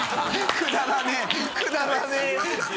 くだらねぇくだらねぇ！